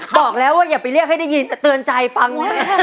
บอกแล้วว่าอย่าไปเรียกให้ได้ยินแต่เตือนใจฟัง